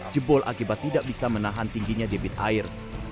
jebol akibat tidak bisa menahan tingginya debit air